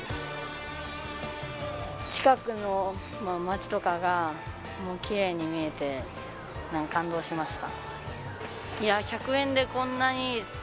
近くの街とかがきれいに見えて感動しました。